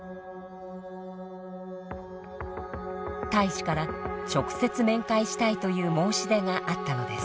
大使から直接面会したいという申し出があったのです。